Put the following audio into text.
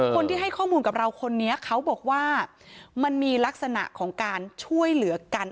คนที่ให้ข้อมูลกับเราคนนี้เขาบอกว่ามันมีลักษณะของการช่วยเหลือกัน